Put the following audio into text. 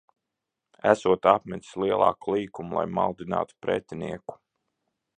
Esot apmetis lielāku līkumu, lai maldinātu pretinieku.